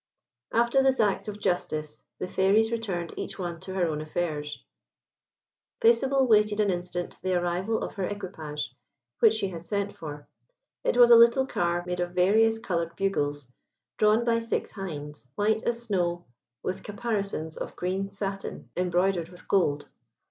After this act of justice, the Fairies returned each one to her own affairs. Paisible waited an instant the arrival of her equipage, which she had sent for. It was a little car made of various coloured bugles, drawn by six hinds, white as snow, with caparisons of green satin, embroidered with gold.